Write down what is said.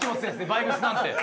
バイブスなんて。